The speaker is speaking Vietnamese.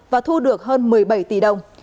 và thu được hơn một mươi bảy tỷ đồng